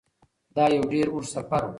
دا یو ډیر اوږد سفر و.